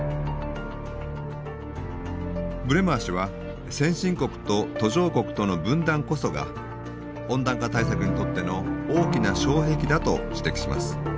ブレマー氏は先進国と途上国との分断こそが温暖化対策にとっての大きな障壁だと指摘します。